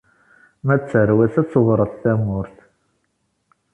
Ma d tarwa-s ad tewṛet tamurt.